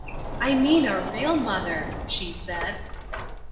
"I mean a real mother," she said.